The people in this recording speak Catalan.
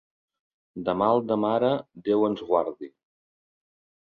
De mal de mare, Déu ens guardi.